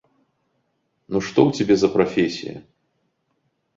Ну што ў цябе за прафесія?